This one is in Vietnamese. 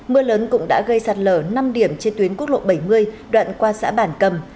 mưa lớn cũng đã gây sạt lở năm điểm trên tuyến quốc lộ bảy mươi đoạn qua xã bản cầm